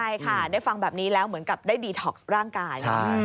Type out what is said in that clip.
ใช่ค่ะได้ฟังแบบนี้แล้วเหมือนกับได้ดีท็อกซ์ร่างกาย